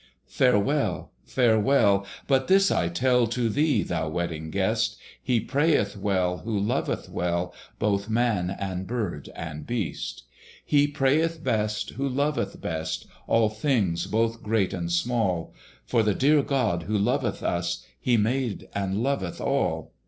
Farewell, farewell! but this I tell To thee, thou Wedding Guest! He prayeth well, who loveth well Both man and bird and beast. He prayeth best, who loveth best All things both great and small; For the dear God who loveth us He made and loveth all.